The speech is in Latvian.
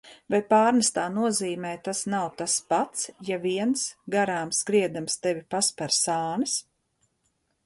Vai pārnestā nozīmē tas nav tas pats, ja viens, garām skriedams, tevi pasper sānis?